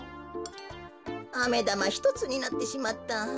あめだまひとつになってしまった。